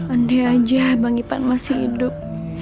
andai aja bang ipan masih hidup